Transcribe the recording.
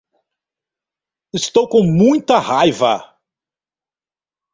Estou com muita raiva